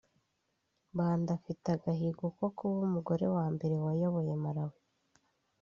Banda ufite agahigo ko kuba umugore wa mbere wayoboye Malawi